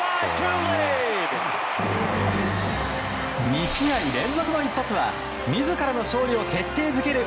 ２試合連続の一発は自らの勝利を決定づける